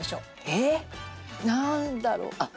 えっなんだろう？